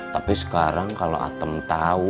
tapi sekarang kalau atem tahu